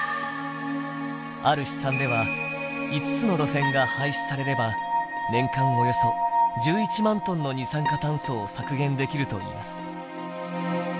ある試算では５つの路線が廃止されれば年間およそ１１万トンの二酸化炭素を削減できるといいます。